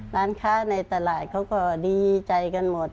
ร้านค้าในตลาดเขาก็ดีใจกันหมด